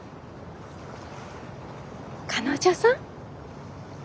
彼女さん？